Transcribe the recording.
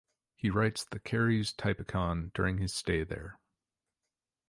He writes the Karyes Typicon during his stay there.